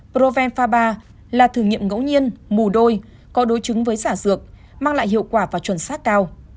provenfa ba là thử nghiệm ngẫu nhiên mù đôi có đối chứng với giả dược mang lại hiệu quả và chuẩn sát cao